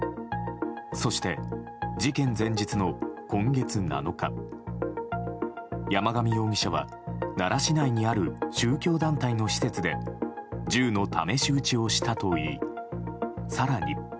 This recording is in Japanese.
そして事件前日の今月７日山上容疑者は奈良市内にある宗教団体の施設で銃の試し撃ちをしたといい更に。